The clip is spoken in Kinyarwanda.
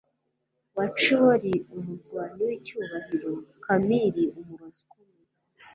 wachiori, umurwanyi w'icyubahiro; kamiri, umurozi ukomeye